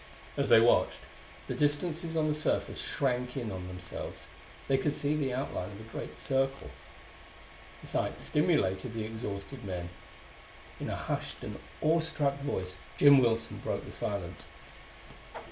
As they watched, the distances on the surface shrank in on themselves; they could see the outline of a great circle. The sight stimulated the exhausted men. In a hushed and awestruck voice, Jim Wilson broke the silence.